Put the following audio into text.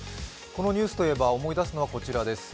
このニュースといえば思い出すのは、こちらです。